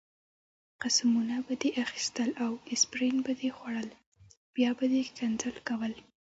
قسمونه به دې اخیستل او اسپرین به دې خوړل، بیا به دې ښکنځل کول.